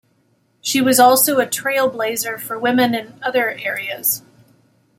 She was also a trailblazer for women in other areas.